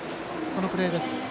そのプレーです。